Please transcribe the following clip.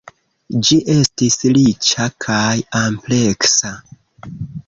Ĝi estis riĉa kaj ampleksa.